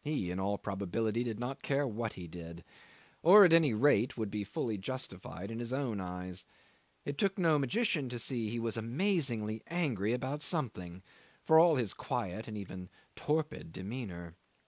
He, in all probability, did not care what he did, or at any rate would be fully justified in his own eyes. It took no magician to see he was amazingly angry about something, for all his quiet and even torpid demeanour.